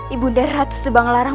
ibu undah ratu subang larang